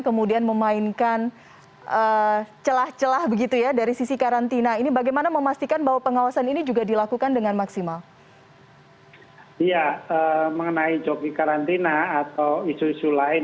tetapi tetap mereka diminta